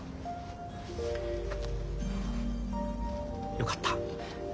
よかった。